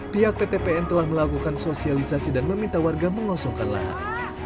pihak pt pn telah melakukan sosialisasi dan meminta warga mengosongkan lahan